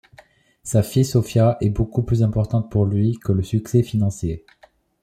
Sa fille Sofía est beaucoup plus importante pour lui que le succès financier.